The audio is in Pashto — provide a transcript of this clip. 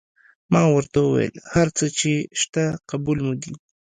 ما ورته وویل: هر څه چې شته قبول مو دي.